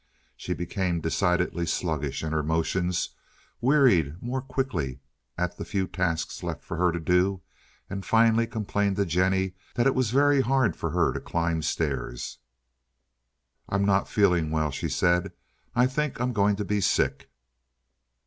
She became decidedly sluggish in her motions, wearied more quickly at the few tasks left for her to do, and finally complained to Jennie that it was very hard for her to climb stairs. "I'm not feeling well," she said. "I think I'm going to be sick."